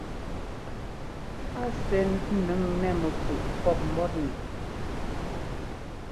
A sɛ́ ńnʉŋ nɛ mɛkúꞌ pɔ́p mbɔ́tnɛ.